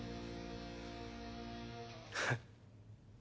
フッ。